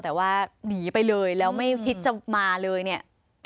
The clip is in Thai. แต่ว่าหนีไปเลยแล้วไม่คิดจะมาเลยเนี่ย